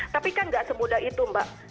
tapi kan gak semudah itu mbak